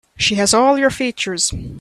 She has all your features.